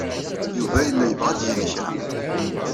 Yuba yella yebɣa ad d-yini kra.